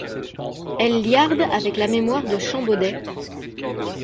Elle liarde avec la mémoire de Champbaudet.